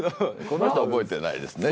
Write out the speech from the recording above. この人は覚えてないですね。